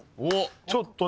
ちょっとね